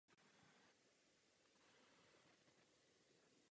Měli bychom však mít soucit.